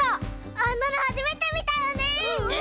あんなのはじめてみたよね！